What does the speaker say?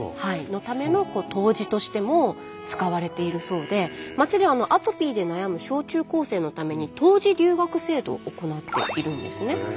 のための湯治としても使われているそうで町ではアトピーで悩む小中高生のために湯治留学制度を行っているんですね。